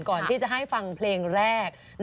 ก่อนที่จะให้ฟังเพลงแรก